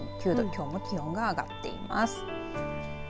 きょうも気温が上がっています。